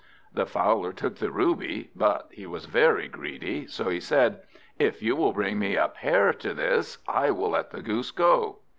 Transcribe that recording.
The Fowler took the ruby, but he was very greedy, so he said "If you will bring me a pair to this, I will let the Goose go."